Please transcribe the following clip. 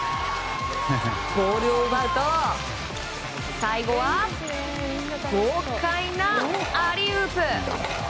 ボールを奪うと最後は豪快なアリウープ。